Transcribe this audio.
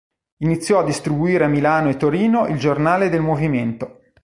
Iniziò a distribuire a Milano e Torino il giornale del movimento.